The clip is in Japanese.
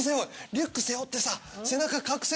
リュック背負ってさ背中隠せ